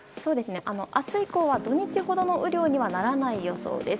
明日以降は土日ほどの雨量にはならない予想です。